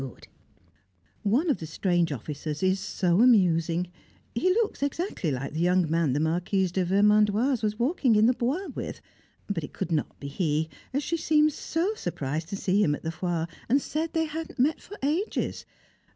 [Sidenote: Chevaux au Galop] One of the strange officers is so amusing; he looks exactly like the young man the Marquise de Vermandoise was walking in the Bois with, but it could not be he, as she seemed so surprised to see him at the Foire, and said they had not met for ages.